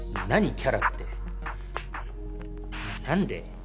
キャラってなんで？